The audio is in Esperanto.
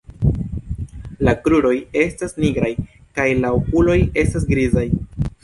La kruroj estas nigraj kaj la okuloj estas grizaj.